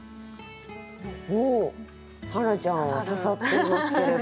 おお花ちゃんは刺さってますけれども。